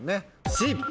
「Ｃ」！